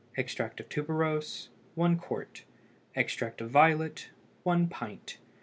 Extract of tuberose 1 qt. Extract of violet 1 pint.